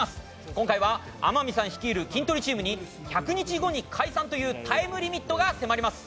今回は天海さん率いるキントリチームに１００日後に解散というタイムリミットが迫ります。